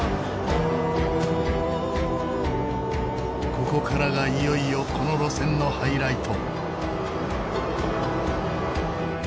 ここからがいよいよこの路線のハイライト。